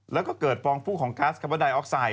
แล้วก็เกิดฟองฟู้ของก๊าซคาร์บอนไดออกไซด